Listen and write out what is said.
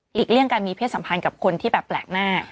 เลี่ยงการมีเพศสัมพันธ์กับคนที่แบบแปลกหน้า